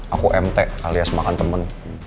aku mt alias makan temen